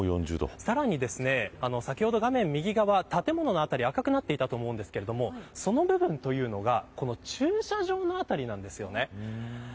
さらに先ほど画面右側建物の辺り赤くなっていたと思いますがその部分というのがこの駐車場の辺りなんですよね。